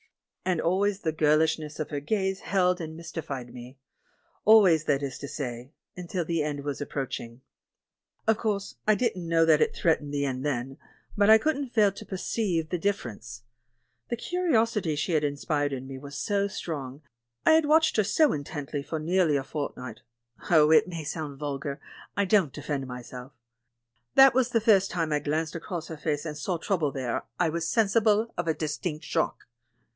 And always the girl ishness of her gaze held and mystified me — al ways, that is to say, until the end was approach ing. Of course, I didn't know that it threatened the end then, but I couldn't fail to preceive the differ ence. The curiosit}^ she had inspired in me was so strong, I had watched her so intently for near ly a fortnight — oh, it may sound vulgar; I don't defend myself — that the first time I glanced across at her face and saw trouble there I was sensible of a distinct shock.